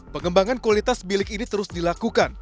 pengembangan kualitas bilik ini terus dilakukan